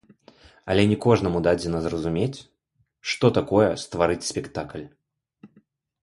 Але не кожнаму дадзена зразумець, што такое стварыць спектакль.